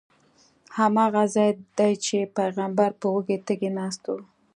هماغه ځای دی چې پیغمبر به وږی تږی ناست و.